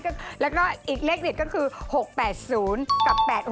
แล้วก็อีกเลขเด็ดก็คือ๖๘๐กับ๘๖